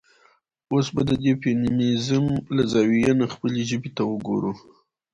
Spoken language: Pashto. اوس به د د فيمينزم له زاويې نه خپلې ژبې ته وګورو.